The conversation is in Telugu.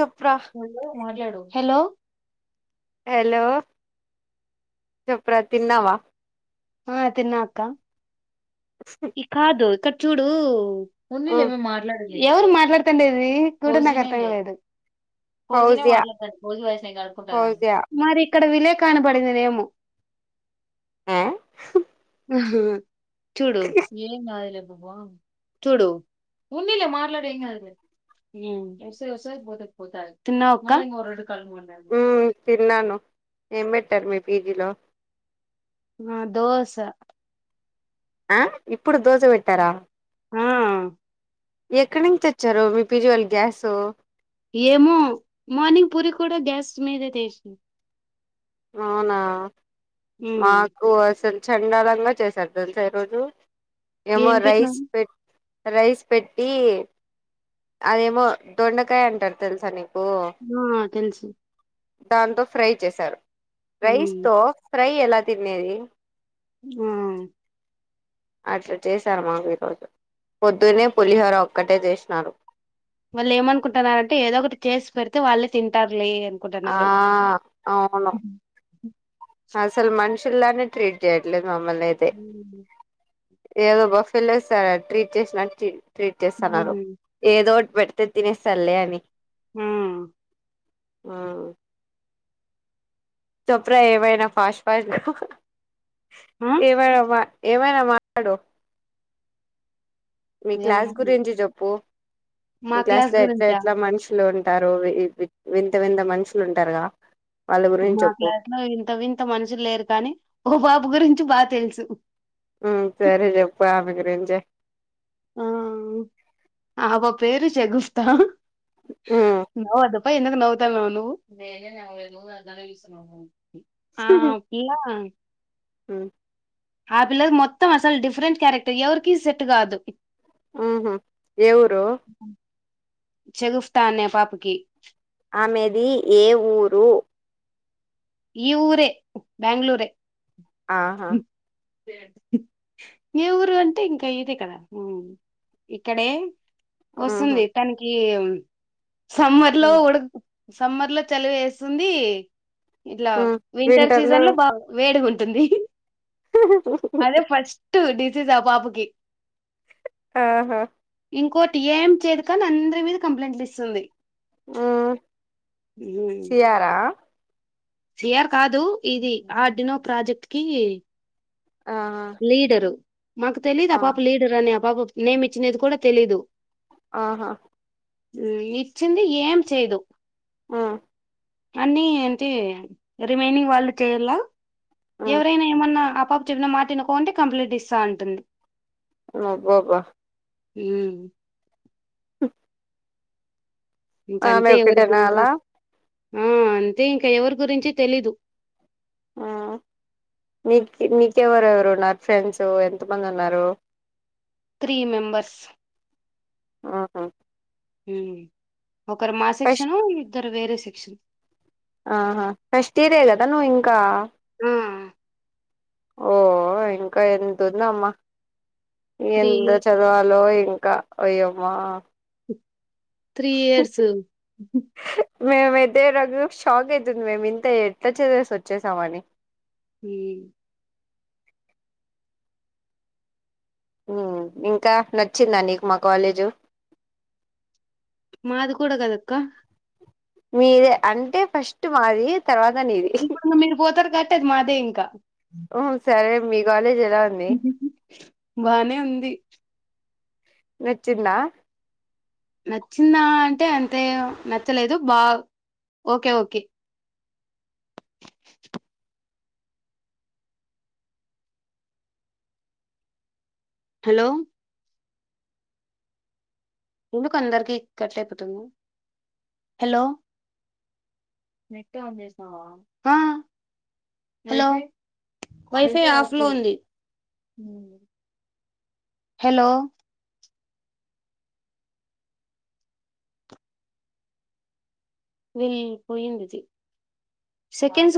చెప్రా మాట్లాడు హలో హలో చప్రాతిన్నావా ఆ తిన్నాక్క ఈ కాదు ఇక్కడ చూడు ఉన్నళ్ళ ఉమ్ ఏమే మాట్లాడ ఎవరు మాట్లాడతండ ఇది గూడ నా కతాదు పోజీన ఫౌజియా మాట్లా పోజీ వయస్ న గడుపుకుంటా కానీ ఫౌజియా మ ఇక్కడ వలే కాన పడింది లేయమో ఆ ఆహా చూడు ఏం కాాలం చూడు ఉన్నలే మాట్లాడి ఎకా అ తిన్నావా అక్క తిన్నాను ఏం పెట్టారు మీ పీజీలో ఆ దోశ ఆ ఇప్పుడు దోశ పెట్టారా ఆ ఎక్కడి నుంచి వచ్చారు మీ పిజువాళ గ్యాసు ఏమో మార్నింగ్ పూరి కూడా గ్యాస్ మీదే తీసాం అవునా ఉమ్, మాకు అసలు చండాలంగా చేసారు దాను సార్ ఈ రోజు ఏమో ఏం రైస్ పెట్టినారు పెట్ రైస్ పెట్టి అదేమో దొండకాయ అంటారు తెలుసని ఆ తెలుసు దాంతో ఫ్రై చేశారు రైస్ ఉమ్, తో ఫ్రై ఎలా తినేది. ఆ అట్లా చేశారు మాకు ఈరోజు పొద్దునే పులిహోర ఒక్కటే చేసినారు మళ్ళు ఏమనుకుంటున్నారంటే ఏదో ఒకటి చేసి పెడితే వాళ్ళే తింటారు లే ఆ అవును ఆ సల్మానుషులనే ట్రీట్ చేయట్లే మమ్మల్ ఇదే ఉమ్. ఏదో బఫీలో ట్రీట్ చేసినట్టు ట్రీట్ చేస్తున్నారు హ్మ్. ఏదో పెడుత తిన సల అని ఆ ఆ చపరా ఎవానా ఫాస్ ఫస్ ఆ! ఎవానామా ఏమైనా మాట్లాడు మీ ఏం క్లాస్ గురించి చెప్పు మా మీ క్లాస్ క్లాస్లో ఎట్లా గురించా? ఎట్లా మష యతల ఉంటారు వి వింత వింత మనుషులు ఉంటారుగా వాళ్ళ గురించి మా చెప్పు క్లాస్ లో ఇంత వింత మనుషులు లేరు కానీ ఓ బాబు గురించి బాగా తెలుసు సరే చెప్ప ఆమెకు రంజ ఆ ఆబ పేరు చెగుపత మ్ నద అబ్ ఎందుకు నవ్వుతావిన్నా ఆ పిల్ల ఆ పిల్ల మొత్తం అసలు డిఫరెంట్ క్యారెక్టర్ ఎవరికి సెట్ కాదు ఆహ ఎవురు చెగుఫ్తా అనే పాపకి ఆమెది ఏ ఊరు ఈ ఊరే బ్యాంగ్ళూరే ఆహా ఏ ఊరు అంటే ఇంకా ఇదే కదా ఇక్కడే ఉహు వస్తుంది తనకి సమ్మర్ లో ఉ ఉడ సమ్మర్ లో చలివు వేస్తుంది ఇట్లా వింటర్ సీజన్ లో బా వేడి ఉంటుంది ంది టు డిజీజా పాపుకి ఆహా ఇంకోటి ఏం చేయదు కానీ అందరి మీద కంప్లైంట్లు ఇస్తుంది ఉ సయారా సిఆర్ కాదు ఇది ఆ డినో ప్రాజెక్ట్ కి ఆహా లీడరు మాకు తెలీదు ఆ పాప లీడరు అని ఆ పాప నేమి ఇచ్చినది కూడా తెలీదు ఆహా ఇచ్చింది ఏం చేయదు హ్మ్మ్ అన్ని ఏంటే రిమైనింగ్ వాళ్ళు చేయాల ఉ ఎవరైనా ఏమన్నా చెిన మాట తనుకోంటే కంప్లీట్ ఇస్తా అంటుంది అబ్బా అబ్బా హ్మ్మ్ అ ఇంకంతే ఎవరి గురికి అలా ఆ అంతే ఇంకా ఎవరి గురించి తెలీదు నీకు నీకెవరుెవరు నా ఫ్రెండ్స్ ఎంతమంది ఉన్నారు త్రీ మెంబర్స్ ఆహా ఒకరు మా సెక్షను ఇద్దరు వేరే సెక్షన్ ఆహా కష్ట ఇదే కదా నువ్ ఇంకా ఆ ఓ ఇంకా ఎంతంద అమ్మా త్రీ ఎంత ఇయర్ చదవాలో ఇంకా అయ్యమ్మా త్రీ ఇయర్స్ మేము ఎద ర షాక్ అవుతుంది మేము ఇంత ఎట్లా చేసేసి వచ్చేసామ అని హ ఇంకా నచ్చిందా నీకు మా కాలేజు మాది కూడా కదక్క మీరే అంటే ఫస్ట్ మాది తర్వాత నీది ఇప్పుడు మీరు పోతారు కట్టది మాదే ఇంకా అ సరే మీ కాలేజ్ ఎలా ఉంది బానే ఉంది వచ్చిందా నచ్చిందా అంటే అంతే నచ్చలేదు బా ఓకే ఓకే హలో ఎందుకు అందరికి ఇక్కట్లేపుతుంది హలో మీా అ మీ సనా హలో వైఫై ఆఫ్ లో ఉంది హలో వీళ పోయిందిద సెకండ్స్